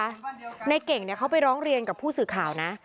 ในเก่งเขาไปร้องเรียนกับผู้สื่อข่าวนะ